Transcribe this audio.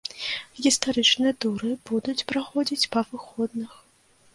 Гістарычныя туры будуць праходзіць па выходных.